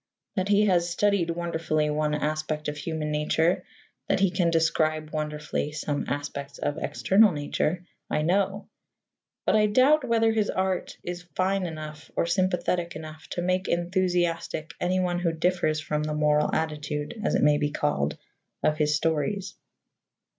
That he has studied wonderfully one aspect of human nature, that he can describe wonderfully some aspects of external nature, I know; but I doubt whether his art is fine enough or sympathetic enough to make enthusiastic anyone who differs from the moral attitude, as it may be called, of his stories.